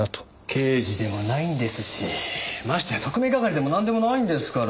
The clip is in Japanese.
刑事でもないんですしましてや特命係でもなんでもないんですから。